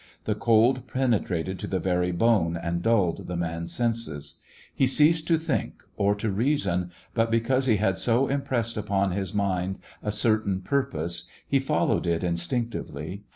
The cold penetrated to the very bone and dulled the man's senses. He ceased to think or to reason, but because he had so impressed upon his mind a certain purpose, he followed it in stinctively.